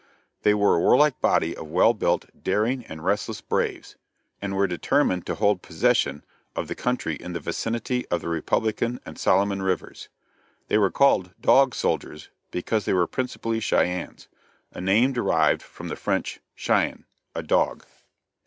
They were a warlike body of well built, daring and restless braves, and were determined to hold possession of the country in the vicinity of the Republican and Solomon Rivers. They were called "Dog Soldiers" because they were principally Cheyennes a name derived from the French chien, a dog.